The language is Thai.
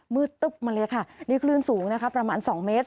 ตึ๊บมาเลยค่ะนี่คลื่นสูงนะคะประมาณ๒เมตร